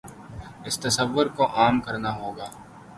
اس تصور کو عام کرنا ہو گا۔